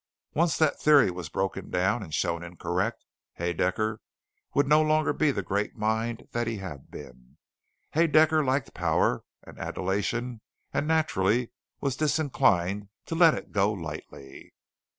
Once that theory was broken down and shown incorrect, Haedaecker would no longer be the great mind that he had been. Haedaecker liked power and adulation and naturally was disinclined to let it go lightly.